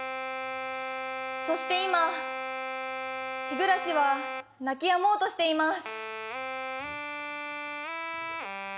そして今、ヒグラシは鳴きやもうとしています。